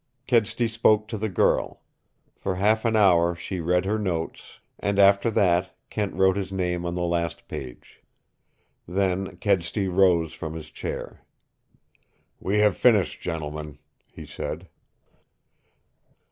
Kedsty spoke to the girl. For half an hour she read her notes, and after that Kent wrote his name on the last page. Then Kedsty rose from his chair. "We have finished, gentlemen," he said.